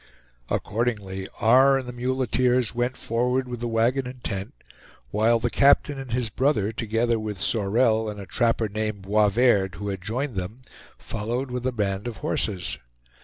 Accordingly R. and the muleteers went forward with the wagon and tent, while the captain and his brother, together with Sorel, and a trapper named Boisverd, who had joined them, followed with the band of horses.